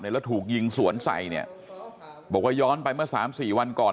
แล้วถูกยิงสวนใส่เนี่ยบอกว่าย้อนไปเมื่อสามสี่วันก่อน